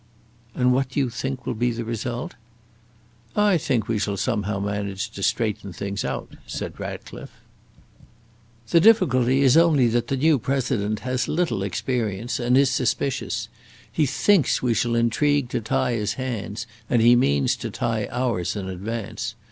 "And what do you think will be the result?" "I think we shall somehow manage to straighten things out," said Ratcliffe. "The difficulty is only that the new President has little experience, and is suspicious. He thinks we shall intrigue to tie his hands, and he means to tie ours in advance.